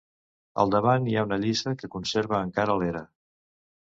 Al davant hi ha una lliça que conserva encara l'era.